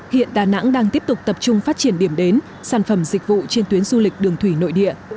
hiện đà nẵng đang tiếp tục tập trung phát triển điểm đến sản phẩm dịch vụ trên tuyến du lịch đường thủy nội địa